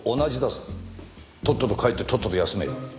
とっとと帰ってとっとと休めよ。